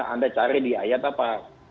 anda cari di ayat apa